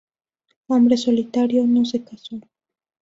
Hombre solitario, no se casó.